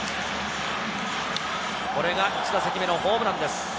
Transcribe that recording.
これが１打席目のホームランです。